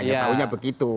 yang tahunya begitu